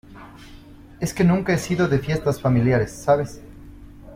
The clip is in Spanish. es que nunca he sido de fiestas familiares, ¿ sabes?